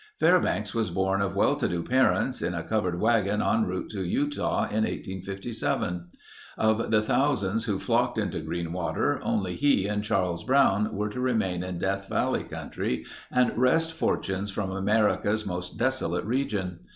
Fairbanks was born of well to do parents, in a covered wagon en route to Utah in 1857. Of the thousands who flocked into Greenwater, only he and Charles Brown were to remain in Death Valley country and wrest fortunes from America's most desolate region.